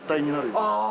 あ！